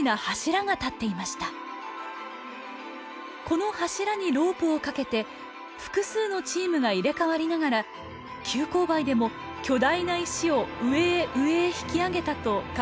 この柱にロープをかけて複数のチームが入れ代わりながら急勾配でも巨大な石を上へ上へ引き上げたと考えられるのです。